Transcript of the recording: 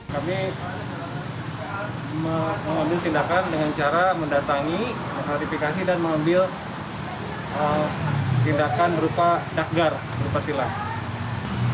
kami mengambil tindakan dengan cara mendatangi mengartifikasi dan mengambil tindakan berupa dakgar berupa tilak